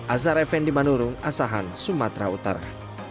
azhar effendi manurung asahan sumatera utara